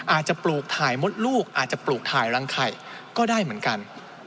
ปลูกถ่ายมดลูกอาจจะปลูกถ่ายรังไข่ก็ได้เหมือนกัน